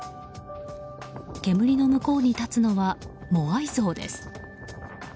煙の向こうに立つのはモアイ像です。